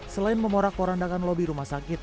selain memorak porandakan lobi rumah sakit